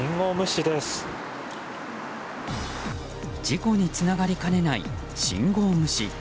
事故につながりかねない信号無視。